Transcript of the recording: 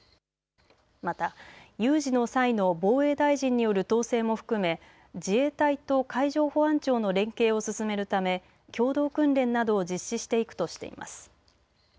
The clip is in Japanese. また有事の際の防衛大臣による統制も含め自衛隊と海上保安庁の連携を進めるため共同訓練などを実施していくとしています。